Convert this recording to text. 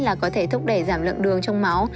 là có thể thúc đẩy giảm lượng đường trong máu